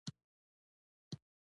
یو بل ته خبر ورکول د زیان مخه نیسي.